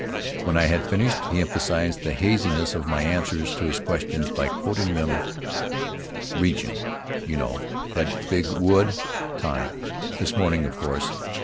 When I had finished, he emphasized the haziness of my answers to his questions by quoting them: "Region: 'You know, that big wood!' Time: 'This morning, of course!'